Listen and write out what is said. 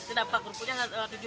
ini dapat kerupuknya tujuh on